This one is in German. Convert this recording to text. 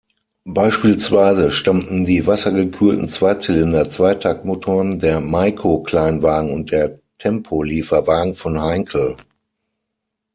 Beispielsweise stammten die wassergekühlten Zweizylinder-Zweitaktmotoren der Maico-Kleinwagen und der Tempo-Lieferwagen von Heinkel.